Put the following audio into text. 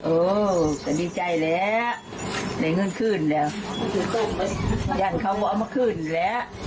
โอ้ก็ดีใจแล้วได้เงินคืนแล้วย่านเขาก็เอามาคืนแล้ว